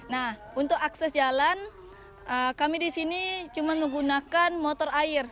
nah untuk akses jalan kami di sini cuma menggunakan motor air